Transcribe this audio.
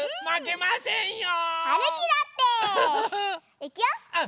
いくよ！